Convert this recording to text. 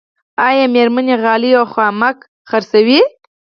آیا میرمنې غالۍ او خامک پلوري؟